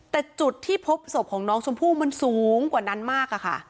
แต่จุดที่พบศพของน้องชมพู่มันสูงกว่านั้นมากค่ะ